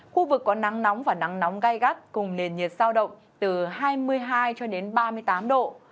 khu vực có nắng nóng và nắng nóng gai gắt cùng nền nhiệt sao động từ hai mươi hai cho đến ba mươi tám độ